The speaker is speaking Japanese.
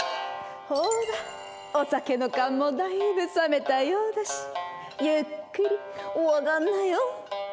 ほらお酒の燗もだいぶ冷めたようだしゆっくりお上がんなよ。